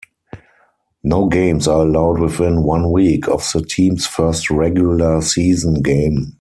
No games are allowed within one week of the team's first regular season game.